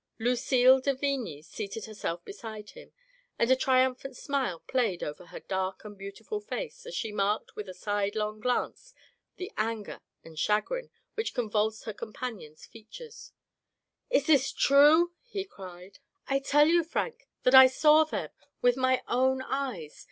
Lucille de Vigny seated herself beside him, and a triumphant smile played over her dark and beautiful face as she marked with a sidelong glance the anger and chagrin which convulsed her companion's features. " Is this true ?" he cried. " I tell you, Frank, that I saw them with my own eyes.